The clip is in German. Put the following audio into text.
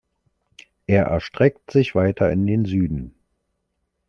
Er erstreckt sich weiter in den Süden.